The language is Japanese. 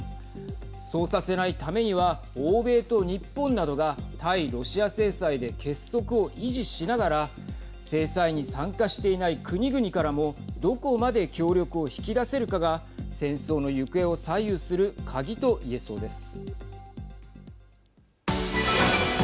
そうさせないためには欧米と日本などが対ロシア制裁で結束を維持しながら制裁に参加していない国々からもどこまで協力を引き出せるかが戦争の行方を左右する鍵といえそうです。